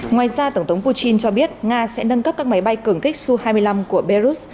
ngoài ra tổng thống putin cho biết nga sẽ nâng cấp các máy bay cường kích su hai mươi năm của belarus